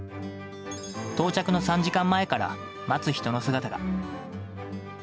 到着の３時間前から待つ人の姿が。